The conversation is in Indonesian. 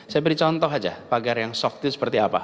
saya beri contoh saja pagar yang sok itu seperti apa